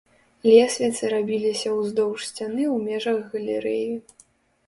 Лесвіцы рабіліся ўздоўж сцяны ў межах галерэі.